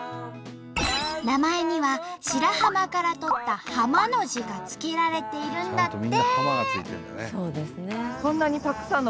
名前には白浜から取った「浜」の字が付けられているんだって。